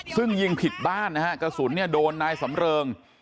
ซึ่งยิงผิดบ้านนะฮะกระสุนเนี่ยโดนนายสำเริง